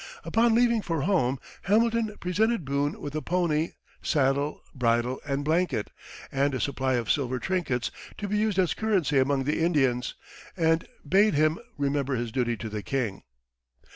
Upon leaving for home, Hamilton presented Boone with a pony, saddle, bridle, and blanket, and a supply of silver trinkets to be used as currency among the Indians, and bade him remember his duty to the king.